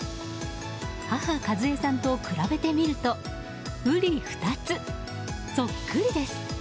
母・かずえさんと比べてみるとうり二つそっくりです。